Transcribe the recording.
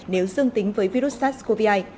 nếu dương tính với virus sars cov hai